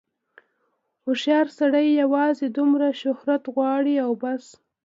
هوښیار سړی یوازې دومره شهرت غواړي او بس.